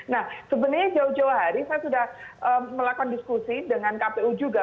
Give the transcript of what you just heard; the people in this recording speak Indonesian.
nah sebenarnya jauh jauh hari saya sudah melakukan diskusi dengan kpu juga